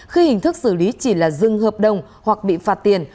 khi hình thức xử lý chỉ là dừng hợp đồng hoặc bị phạt tiền